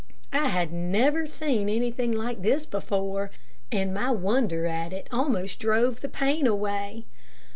I had never seen anything like this before, and my wonder at it almost drove the pain away.